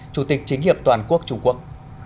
chủ tịch chính hiệp toàn quốc trung quốc